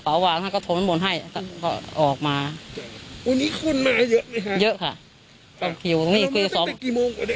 เรามาตั้งแต่กี่โมง